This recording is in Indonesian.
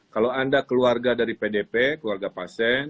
kalau anda keluarga dari pdp keluarga pasien